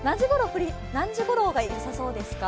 何時ごろがよさそうですか？